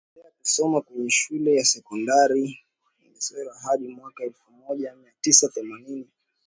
Akaendelea kusoma kwenye Shule ya Sekondari Kigonsera hadi mwaka elfu moja mia tisa themanini